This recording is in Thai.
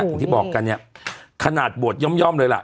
อย่างที่บอกกันเนี่ยขนาดบวชย่อมเลยล่ะ